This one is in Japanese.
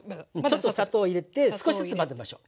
ちょっと砂糖入れて少しずつ混ぜましょう。